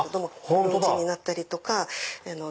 ブローチになったりとか。